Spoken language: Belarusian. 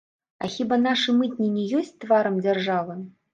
А хіба нашы мытні не ёсць тварам дзяржавы?!